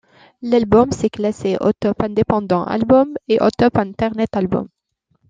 L'album s'est classé au Top Independent Albums et au Top Internet Albums.